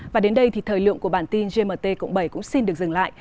và đến đây thì thời lượng của bản tin gmt cộng bảy cũng xin được dừng lại